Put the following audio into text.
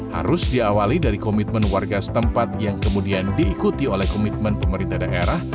harus diawali dari komitmen warga setempat yang kemudian diikuti oleh komitmen pemerintah daerah